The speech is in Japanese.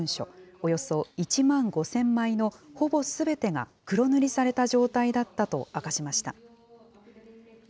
およそ１万５０００枚のほぼすべてが黒塗りされた状態だったと明かしました。